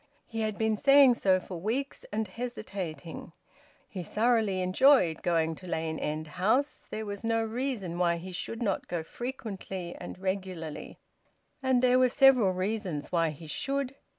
He had been saying so for weeks, and hesitating. He thoroughly enjoyed going to Lane End House; there was no reason why he should not go frequently and regularly, and there were several reasons why he should.